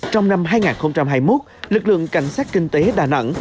trong năm hai nghìn hai mươi một lực lượng cảnh sát kinh tế đà nẵng